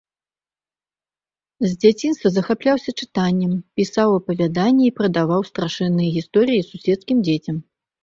З дзяцінства захапляўся чытаннем, пісаў апавяданні і прадаваў страшэнныя гісторыя суседскім дзецям.